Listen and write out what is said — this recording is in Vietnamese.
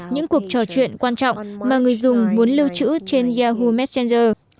những cuộc trò chuyện quan trọng mà người dùng muốn lưu trữ trên yahoo messenger